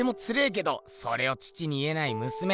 けどそれを父に言えないむすめ。